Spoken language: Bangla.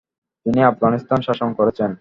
তিনি আফগানিস্তান শাসন করেছেন।